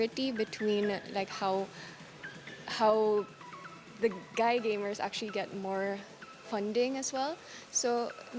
antara bagaimana pemain pemain itu mendapatkan pendapatan yang lebih besar